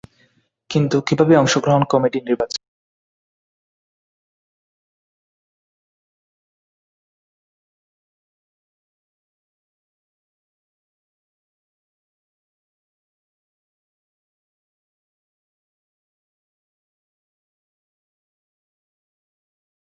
শুধু ক্রিকেট নয়, প্রশ্ন হলো শেন ওয়ার্নের ব্যক্তিজীবন, তাঁর পছন্দ-অপছন্দ নিয়েও।